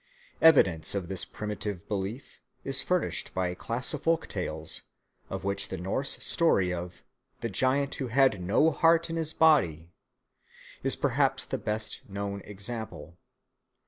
Evidence of this primitive belief is furnished by a class of folk tales of which the Norse story of "The giant who had no heart in his body" is perhaps the best known example.